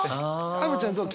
アヴちゃんどう？